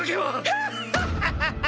ヒャッハハハハ！